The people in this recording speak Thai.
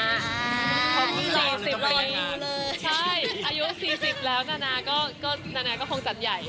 อายุสี่สิบแล้วนาก็คงจันใหญ่